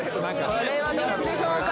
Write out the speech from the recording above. これはどっちでしょうか？